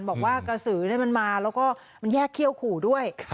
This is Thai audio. บอกว่ากระสือมันมาแล้วก็มันแยกเขี้ยวขู่ด้วย